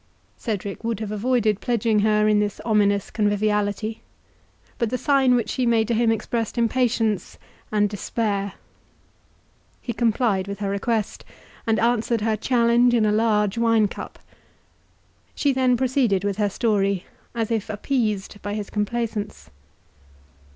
Cedric would have avoided pledging her in this ominous conviviality, but the sign which she made to him expressed impatience and despair. He complied with her request, and answered her challenge in a large wine cup; she then proceeded with her story, as if appeased by his complaisance.